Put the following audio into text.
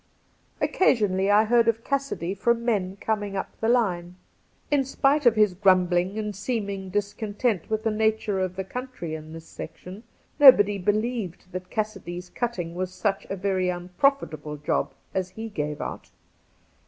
Occasionally I heard of Cassidy from men coming up the line. In spite of his grumbling and seeming discontent with the nature of the country in his section nobody believed that Cassidy's Cutting was such a very unprofitable job as he gave out.